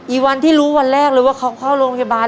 วันที่รู้วันแรกเลยว่าเขาเข้าโรงพยาบาล